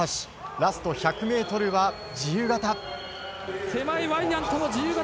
ラスト１００ｍは自由形。